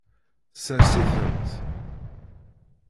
Sers-itent.